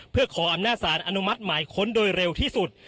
เพื่อขออำนาจสารอนุมัติหมายค้นโดยเร็วที่สุด